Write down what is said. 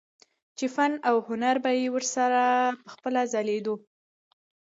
چې فن او هنر به يې ورسره پخپله ځليدلو